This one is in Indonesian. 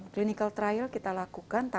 klinikal trial kita lakukan